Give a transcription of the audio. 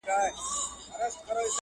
د سترگو کسي چي دي سره په دې لوگيو نه سي,